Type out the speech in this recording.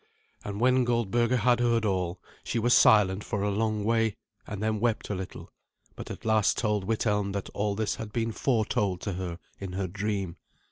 And when Goldberga had heard all, she was silent for a long way, and then wept a little, but at last told Withelm that all this had been foretold to her in her dream.